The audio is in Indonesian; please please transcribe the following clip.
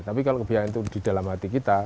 tapi kalau kebiayaan itu di dalam hati kita